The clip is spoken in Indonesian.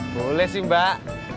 boleh sih mbak